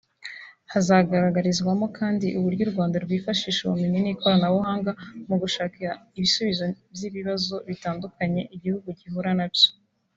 Hazagaragarizwamo kandi uburyo u Rwanda rwifashisha ubumenyi n’ikoranabuhanga mu gushaka ibisubizo by’ibibazo bitandukanye igihugu gihura nabyo